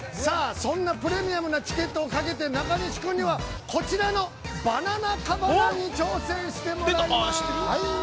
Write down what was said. ◆そんなプレミアムなチケットをかけてかけて、中西君には、こちらのバナナ・カバナに挑戦してもらいます。